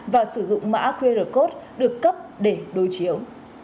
và sử dụng mã qr code được cấp để đối chiếu